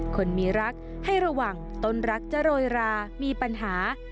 คนมีรักให้ระวังต้นรักจะโรยรามีปัญหา